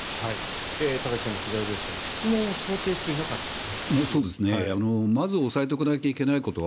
田崎さんの取材ですが質問を想定していなかったと。